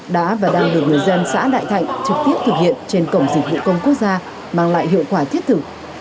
đã và đang được người dân xã đại thạnh trực tiếp thực hiện trên cổng dịch vụ công quốc gia mang lại hiệu quả thiết thực